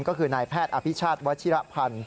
ก็คือนายแพทย์อภิชาธิณวติธรรมภรรย์